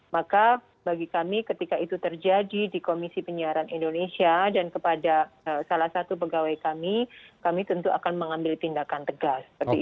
maka bagi kami ketika itu terjadi di komisi penyiaran indonesia dan kepada salah satu pegawai kami kami tentu akan mengambil tindakan tegas